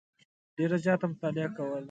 ډېره زیاته مطالعه کوله.